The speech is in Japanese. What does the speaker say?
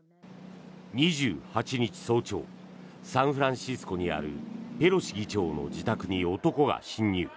２８日早朝サンフランシスコにあるペロシ議長の自宅に男が侵入。